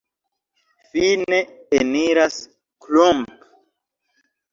Fine eniras Klomp.